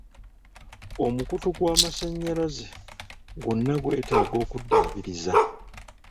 Omukutu gw'amasannyalaze gwonna gwetaaga okudaabirizibwa.